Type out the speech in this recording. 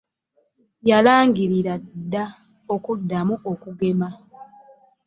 Yalangirira dda okuddamu okugema.